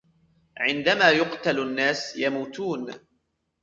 عندما يُقتل الناس، يموتون.